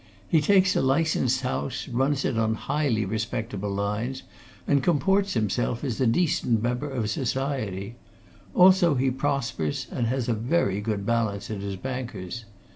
He takes a licensed house, runs it on highly respectable lines, and comports himself as a decent member of society; also he prospers, and has a very good balance at his bankers.